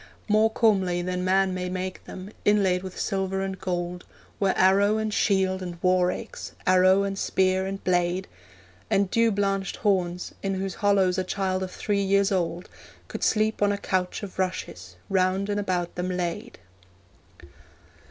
More comely than man may make them, inlaid with silver and gold, Were arrow and shield and war axe, arrow and spear and blade, And dew blanched horns, in whose hollows a child of three years old Could sleep on a couch of rushes, round and about them laid.